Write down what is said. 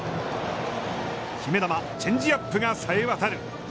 決め球チェンジアップがさえ渡る。